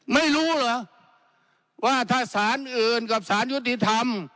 ไม่รู้เหรอว่าถ้าสารอื่นกับสารยุติธรรม